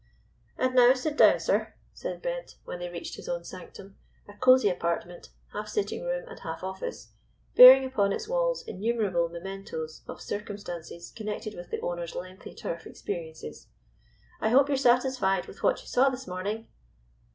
"And now sit down, sir," said Bent, when they reached his own sanctum, a cosy apartment, half sitting room and half office, bearing upon its walls innumerable mementoes of circumstances connected with the owner's lengthy turf experiences. "I hope you are satisfied, with what you saw this morning?"